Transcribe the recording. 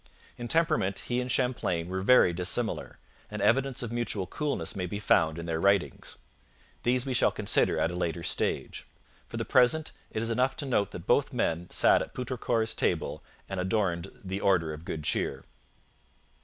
In temperament he and Champlain were very dissimilar, and evidence of mutual coolness may be found in their writings. These we shall consider at a later stage. For the present it is enough to note that both men sat at Poutrincourt's table and adorned the Order of Good Cheer.